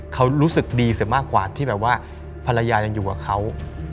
เขารู้สึกดีเสียมากกว่าที่แบบว่าภรรยายังอยู่กับเขา